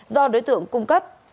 do đối tượng cung cấp